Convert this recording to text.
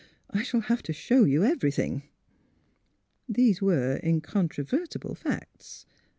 I shall have to show you everything. '' These were incontrovertible facts.